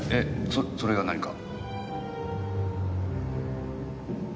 それが何か？